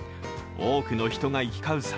多くの人が行き交う